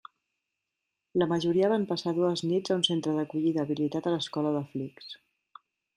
La majoria van passar dues nits a un centre d'acollida habilitat a l'escola de Flix.